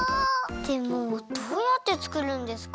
でもどうやってつくるんですか？